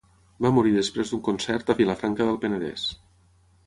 Va morir després d'un concert a Vilafranca del Penedès.